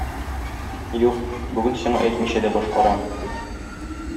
Юк, бүген сиңа әйтмичә дә башкарам.